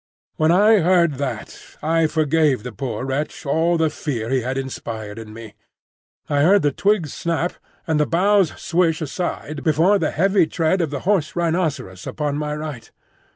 When I heard that, I forgave the poor wretch all the fear he had inspired in me. I heard the twigs snap and the boughs swish aside before the heavy tread of the Horse rhinoceros upon my right.